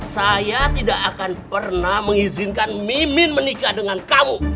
saya tidak akan pernah mengizinkan mimin menikah dengan kamu